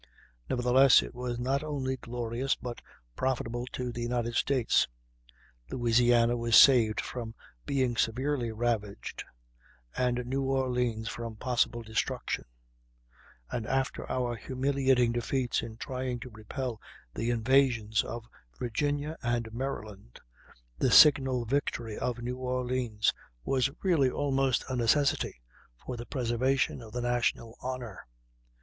Nevertheless, it was not only glorious but profitable to the United States. Louisiana was saved from being severely ravaged, and New Orleans from possible destruction; and after our humiliating defeats in trying to repel the invasions of Virginia and Maryland, the signal victory of New Orleans was really almost a necessity for the preservation of the national honor.